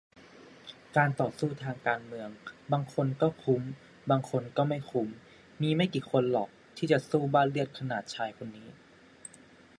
การต่อสู้ทางการเมือง บางคนก็คุ้มบางคนก็ไม่คุ้ม มีไม่กี่คนหรอกที่จะสู้บ้าเลือดขนาดชายคนนี้